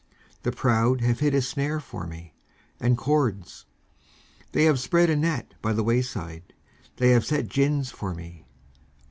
19:140:005 The proud have hid a snare for me, and cords; they have spread a net by the wayside; they have set gins for me.